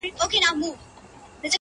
ځكه له يوه جوړه كالو سره راوتـي يــو؛